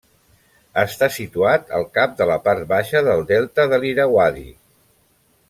Està situat al cap de la part baixa del delta de l'Irauadi.